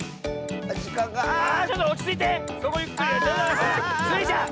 あ！スイちゃん！